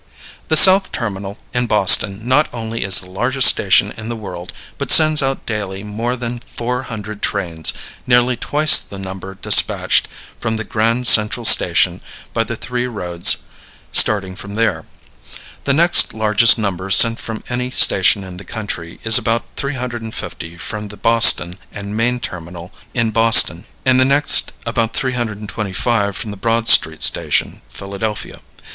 The South Terminal in Boston not only is the largest station in the world, but sends out daily more than 400 trains, nearly twice the number despatched from the Grand Central Station by the three roads starting from there. The next largest number sent from any station in this country is about 350 from the Boston and Maine terminal in Boston, and the next about 325 from the Broad Street Station, Philadelphia.